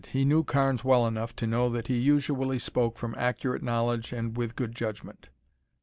He knew Carnes well enough to know that he usually spoke from accurate knowledge and with good judgment.